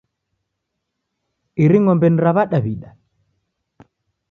Iri ng'ombe ni ra W'adaw'ida?